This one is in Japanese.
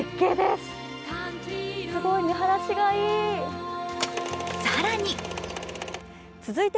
すごい見晴らしがいい。